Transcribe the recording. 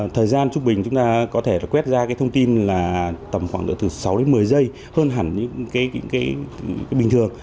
thời gian trung bình chúng ta có thể quét ra thông tin là tầm khoảng sáu một mươi giây hơn hẳn những cái bình thường